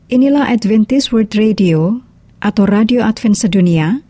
inilah adventist world radio atau radio advent sedunia